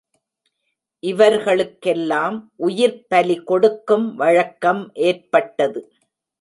இவர்களுக்கெல்லாம் உயிர்ப்பலி கொடுக்கும் வழக்கம் ஏற்பட்டது.